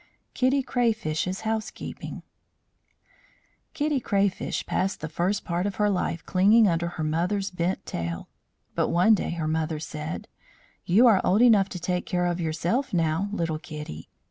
KITTY CRAYFISH'S HOUSEKEEPING Kitty Crayfish passed the first part of her life clinging under her mother's bent tail. But one day her mother said: "You are old enough to take care of yourself now, little Kitty.